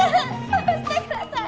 下ろしてください！